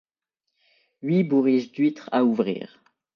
Huit bourriches d’huîtres à ouvrir.